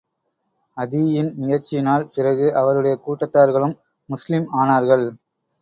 அதீயின் முயற்சியினால் பிறகு அவருடைய கூட்டத்தார்களும் முஸ்லிம் ஆனார்கள்.